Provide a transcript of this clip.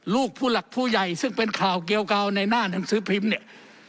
ลูกผู้หลักผู้ใหญ่ซึ่งเป็นข่าวเกียวกาวในหน้าหนังสือพิมพ์เนี่ย